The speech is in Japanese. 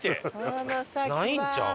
ないんちゃう？